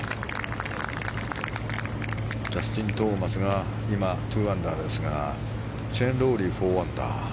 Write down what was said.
ジャスティン・トーマスが今、２アンダーですがシェーン・ロウリー４アンダー。